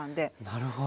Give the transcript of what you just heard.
なるほど。